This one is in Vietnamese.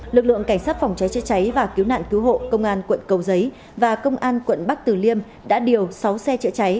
lực lượng cảnh sát phòng cháy chữa cháy và cứu nạn cứu hộ công an quận cầu giấy và công an quận bắc tử liêm đã điều sáu xe chữa cháy